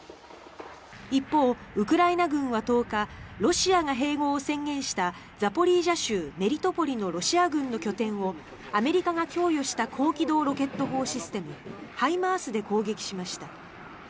一方、ウクライナ軍は１０日ロシアが併合を宣言したザポリージャ州メリトポリのロシア軍の拠点をアメリカが供与した高機動ロケット砲システムＨＩＭＡＲＳで攻撃しました。